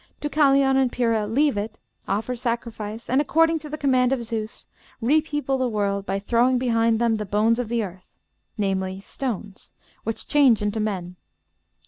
Deucalion and Pyrrha leave it, offer sacrifice, and, according to the command of Zeus, repeople the world by throwing behind them 'the bones of the earth' namely, stones, which change into men.